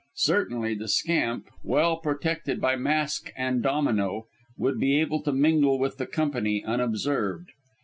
Certainly the scamp, well protected by mask and domino, would be able to mingle with the company unobserved.